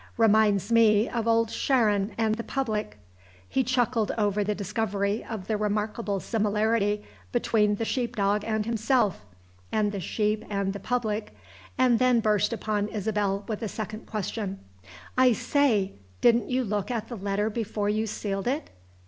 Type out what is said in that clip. Reminds me of Old Sharon and the public!" He chuckled over the discovery of the remarkable similarity between the sheep dog and himself, and the sheep and the public and then burst upon Isabel with a second question. "I say! didn't you look at the letter before you sealed it?"